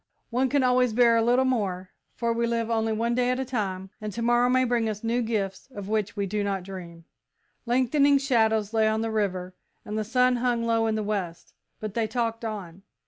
One can always bear a little more, for we live only one day at a time, and to morrow may bring us new gifts of which we do not dream." Lengthening shadows lay on the river and the sun hung low in the west, but they talked on.